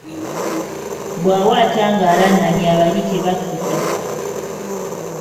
Bw'awaata ng'alannamye abali tebakkuta.